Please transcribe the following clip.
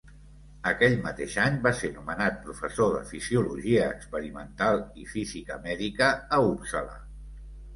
Aquell mateix any va ser nomenat professor de fisiologia experimental i física mèdica a Uppsala.